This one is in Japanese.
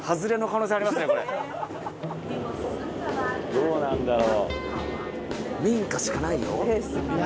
どうなんだろう。